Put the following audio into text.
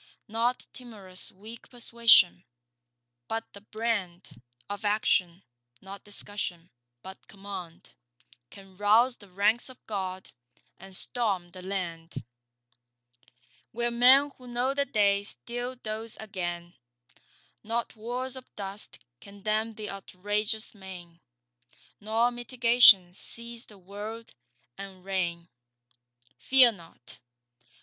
Not timorous weak persuasion, but the brand Of Action—not discussion, but command— Can rouse the ranks of God and storm the land, Where men who know the day still doze again; Not walls of dust can dam th' outrageous main, Nor mitigation seize the world and reign. Fear not.